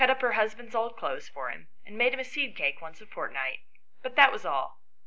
103 husband's old clothes for him, and made him a seed cake once a fortnight, but that was all.